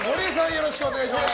よろしくお願いします。